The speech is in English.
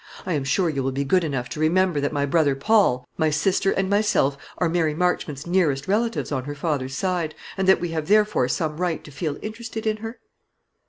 I am sure you will be good enough to remember that my brother Paul, my sister, and myself are Mary Marchmont's nearest relatives on her father's side, and that we have therefore some right to feel interested in her?"